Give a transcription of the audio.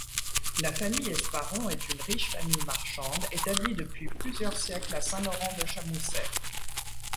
La famille Esparon est une riche famille marchande établie depuis plusieurs siècles à Saint-Laurent-de-Chamousset.